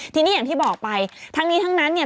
ทีนี้อย่างที่บอกไปทั้งนี้ทั้งนั้นเนี่ย